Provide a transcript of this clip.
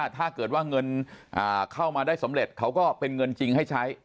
ถ้าเกิดว่าเงินเข้ามาได้สำเร็จเขาก็เป็นเงินจริงให้ใช้